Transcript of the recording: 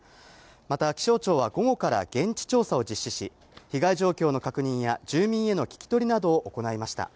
また気象庁は午後から現地調査を実施し、被害状況の確認や、住民への聞き取りなどを行いました。